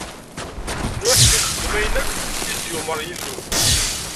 Nuḥ ixdem ayen akk i s-d-yumeṛ Yillu.